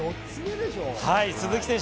鈴木選手